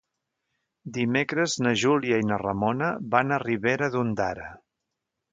Dimecres na Júlia i na Ramona van a Ribera d'Ondara.